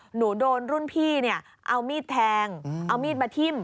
หนูโดนรุ่นพี่เนี่ยเอามีดแทงเอามีดมาทิ้ม